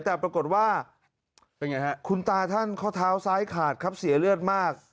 แต่ปรากฏว่าคุณตาท่านข้อเท้าซ้ายขาดครับเสียเลือดมาก